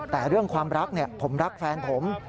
แต่เรื่องความรักผมรักแฟนผม